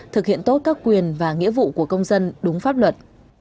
thực hiện tốt các quyền và nghĩa vụ của công dân đúng pháp luật